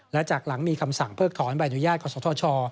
และจากหลังมีคำสั่งเพิกถอนใบอนุญาตกศธช